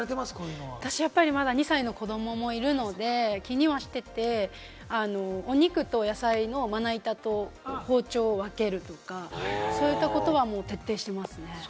私、２歳の子どももいるので、気にはしていて、お肉と野菜のまな板と包丁を分けるとか、そういったことは徹底してます。